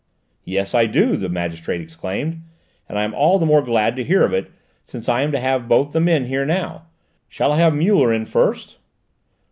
"Yes, I do," the magistrate exclaimed, "and I am all the more glad to hear of it, since I am to have both the men here now. Shall I have Muller in first?"